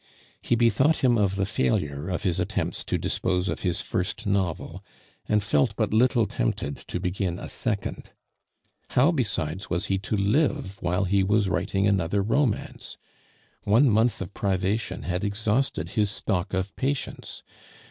He bethought him of the failure of his attempts to dispose of his first novel, and felt but little tempted to begin a second. How, besides, was he to live while he was writing another romance? One month of privation had exhausted his stock of patience.